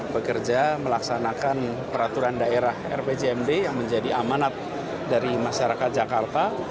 bekerja melaksanakan peraturan daerah rpjmd yang menjadi amanat dari masyarakat jakarta